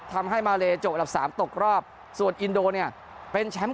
มาเลจบอันดับสามตกรอบส่วนอินโดเนี่ยเป็นแชมป์